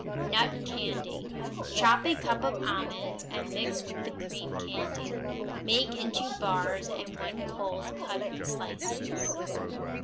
Nut Candy Chop a cup of almonds and mix with the cream candy; make into bars, and when cold cut in slices.